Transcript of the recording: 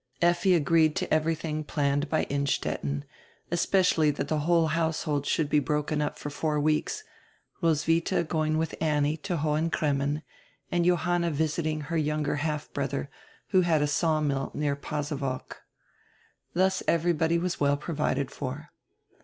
Effi agreed to everything planned by Innstetten, es specially that die whole household should be broken up for four weeks, Roswitha going with Annie to Hohen Cremmen, and Johanna visiting her younger half brother, who had a sawmill near Pasewalk. Thus everybody was well provided for.